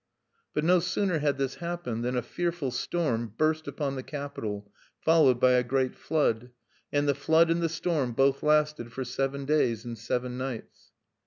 But no sooner had this happened than a fearful storm burst upon the capital, followed by a great flood; and the flood and the storm both lasted for seven days and seven nights.